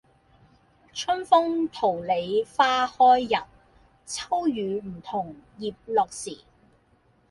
春風桃李花開日，秋雨梧桐葉落時。